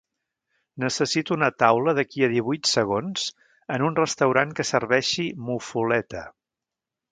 Necessito una taula d'aquí a divuit segons en un restaurant que serveixi muffuletta